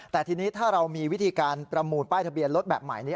แต่ทีนี้ถ้าเรามีวิธีการประมูลป้ายทะเบียนรถแบบใหม่นี้